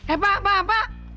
eh pak pak pak